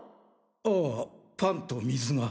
ああパンと水が。